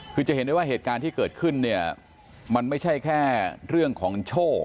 คือจะเห็นได้ว่าเหตุการณ์ที่เกิดขึ้นเนี่ยมันไม่ใช่แค่เรื่องของโชค